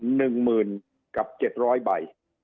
๑หมื่นกับ๗๐๐ใบ